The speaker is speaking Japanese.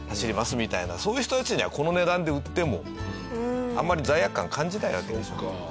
そういう人たちにはこの値段で売ってもあんまり罪悪感感じないわけでしょ。